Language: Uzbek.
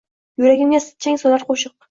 Yuragimga chang solar qoʼshiq.